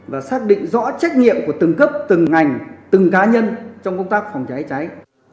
và xác định rõ trách nhiệm của từng cấp từng ngành từng cá nhân trong công tác phòng cháy cháy